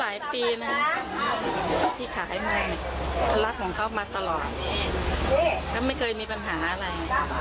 แล้วไม่เคยมีปัญหาอะไร